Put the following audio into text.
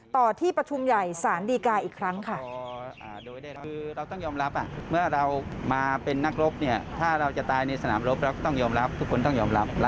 ต่อที่ประชุมใหญ่ศาลดีกาอีกครั้งค่ะ